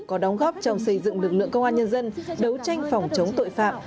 có đóng góp trong xây dựng lực lượng công an nhân dân đấu tranh phòng chống tội phạm